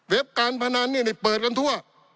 เว็บการพนันนี่เปิดกันทั่ว